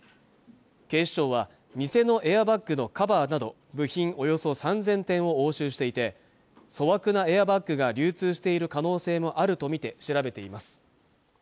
警視庁は偽のエアバッグのカバーなどの部品およそ３０００点を押収していて粗悪なエアバッグが流通している可能性もあるとみて調べています